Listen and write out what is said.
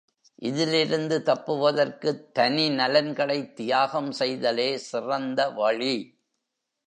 இதிலிருந்து தப்புவதற்குத் தனி நலன்களைத் தியாகம் செய்தலே சிறந்த வழி.